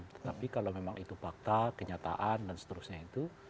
tetapi kalau memang itu fakta kenyataan dan seterusnya itu